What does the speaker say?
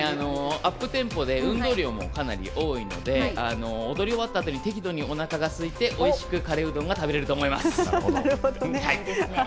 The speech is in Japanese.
アップテンポで動きも多いので踊り終わったあとに適度におなかがすいてカレーうどんが食べられると思います。